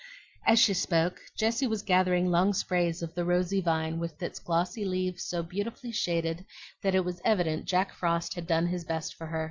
As she spoke, Jessie was gathering long sprays of the rosy vine, with its glossy leaves so beautifully shaded that it was evident Jack Frost had done his best for it.